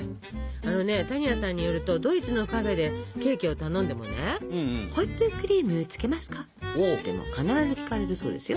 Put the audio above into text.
あのね多仁亜さんによるとドイツのカフェでケーキを頼んでもね「ホイップクリームつけますか？」って必ず聞かれるそうですよ。